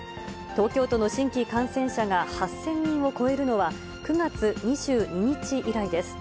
東京都の新規感染者が８０００人を超えるのは９月２２日以来です。